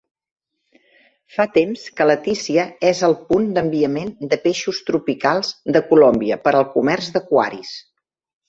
Fa temps que Leticia és el punt d'enviament de peixos tropicals de Colòmbia per al comerç d'aquaris.